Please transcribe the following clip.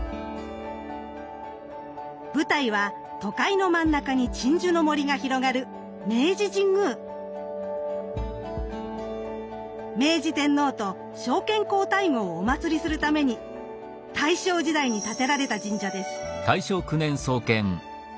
舞台は都会の真ん中に鎮守の森が広がる明治天皇と昭憲皇太后をお祀りするために大正時代に建てられた神社です。